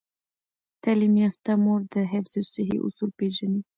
تعلیم یافته مور د حفظ الصحې اصول پیژني۔